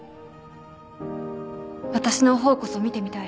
私の方こそ見てみたい。